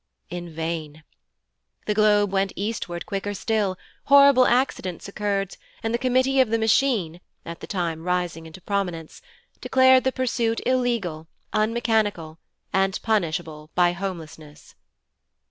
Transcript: In vain. The globe went eastward quicker still, horrible accidents occurred, and the Committee of the Machine, at the time rising into prominence, declared the pursuit illegal, unmechanical, and punishable by Homelessness.